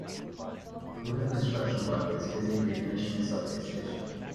a group of construction workers busy refinishing a subway station.